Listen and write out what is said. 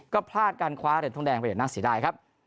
ก็พลาดกันขวาเหรียญทองแดงไปเหรียญนักศีรษฐ์ได้ครับ